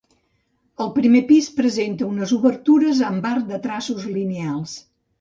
El primer pis presenta unes obertures amb arc de traços lineals.